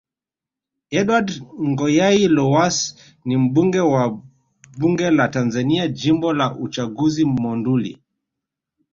Edward Ngoyai Lowass ni mbunge wa Bunge la Tanzania Jimbo la uchaguzi Monduli